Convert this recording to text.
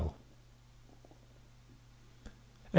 THE END.